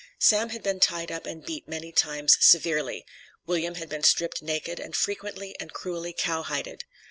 Sam had been tied up and beat many times severely. William had been stripped naked, and frequently and cruelly cowhided.